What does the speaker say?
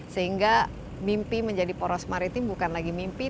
sehingga mimpi menjadi poros maritim bukan lagi mimpi